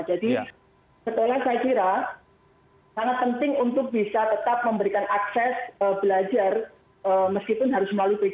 jadi setelah saya kira sangat penting untuk bisa tetap memberikan akses belajar meskipun harus melalui bcc